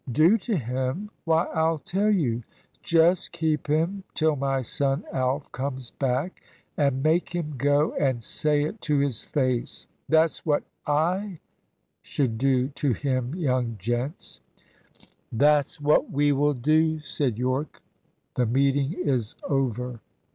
Do to him! Why, I'll tell you. Just keep him till my son Alf comes back, and make him go and say it to his face. That's what I should do to him, young gents." "That's what we will do," said Yorke. "The meeting is over."